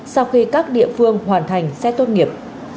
sau khi các địa phương hoàn thành xét tốt nghiệp